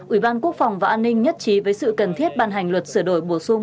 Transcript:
ủy ban quốc phòng và an ninh nhất trí với sự cần thiết ban hành luật sửa đổi bổ sung